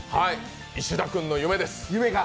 石田君の夢です